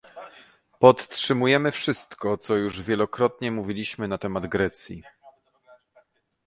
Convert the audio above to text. Podtrzymujemy wszystko, co już wielokrotnie mówiliśmy na temat Grecji